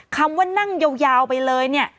คำว่านั่งยาวไปเลยเนี่ย